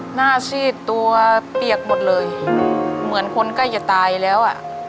หน้าซีดตัวเปียกหมดเลยเหมือนคนใกล้จะตายแล้วอ่ะ